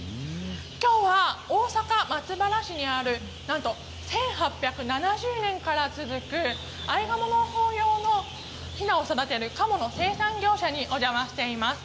きょうは大阪、松原市にある何と１８７０年から続くアイガモ農法用のひなを育てるかもの生産業者にお邪魔しています。